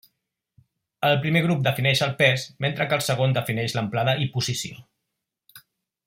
El primer grup defineix el pes, mentre que el segon defineix l'amplada i posició.